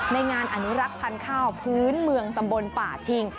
ในงานอนุรักษ์พันธุ์ข้าวพื้นเมืองตำบลป่าชิง